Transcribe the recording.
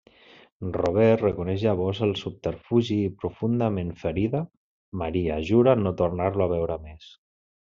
Robert reconeix llavors el subterfugi i profundament ferida, Maria jura no tornar-lo a veure més.